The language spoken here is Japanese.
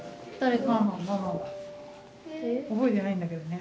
覚えてないんだけどね。